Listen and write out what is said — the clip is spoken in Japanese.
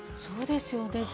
そうですよね。